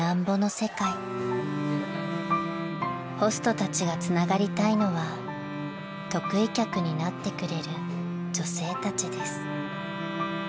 ［ホストたちがつながりたいのは得意客になってくれる女性たちです］